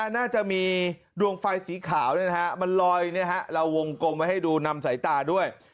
น่าจะมีดวงไฟสีขาวมันลอยเราวงกลมไว้ให้ดูนำสายตาด้วย